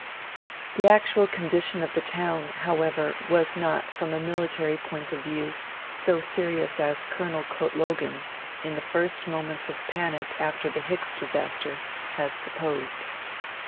The actual condition of the town, however, was not, from a military point of view, so serious as Colonel Coetlogon, in the first moments of panic after the Hicks disaster, had supposed.